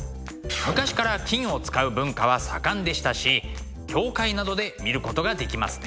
昔から金を使う文化は盛んでしたし教会などで見ることができますね。